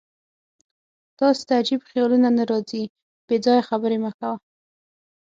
تاسې ته عجیب خیالونه نه راځي؟ بېځایه خبرې مه کوه.